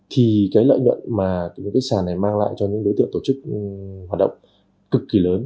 thì lợi nhuận mà sàn này mang lại cho những đối tượng tổ chức hoạt động cực kỳ lớn